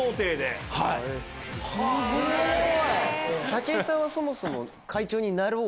武井さんはそもそも。